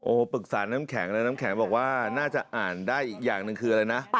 ปรึกษาน้ำแข็งเลยน้ำแข็งบอกว่าน่าจะอ่านได้อีกอย่างหนึ่งคืออะไรนะ